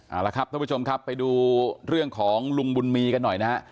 เอาละครับท่านผู้ชมครับไปดูเรื่องของลุงบุญมีกันหน่อยนะฮะ